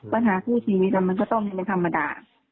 ปัญหาผู้ชีวิตมันก็ต้องมีเป็นธรรมดา